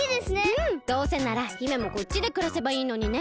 うんどうせなら姫もこっちでくらせばいいのにね。